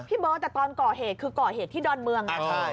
เบิร์ตแต่ตอนก่อเหตุคือก่อเหตุที่ดอนเมือง